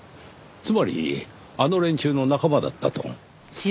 つまりあの連中の仲間だったと？